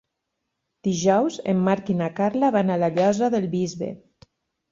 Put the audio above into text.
Dijous en Marc i na Carla van a la Llosa del Bisbe.